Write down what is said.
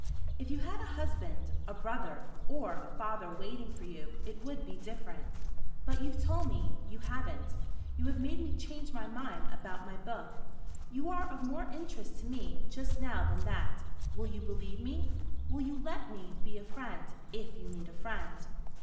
If you had a husband, a brother or a father waiting for you it would be different. But you've told me you haven't. You have made me change my mind about my book. You are of more interest to me just now than that. Will you believe me? Will you let me be a friend, if you need a friend?"